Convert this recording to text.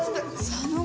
佐野が？